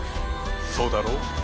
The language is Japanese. そうだろ？